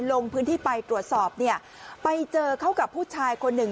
ลงพื้นที่ไปตรวจสอบเนี่ยไปเจอเข้ากับผู้ชายคนหนึ่ง